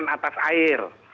pemukiman atas air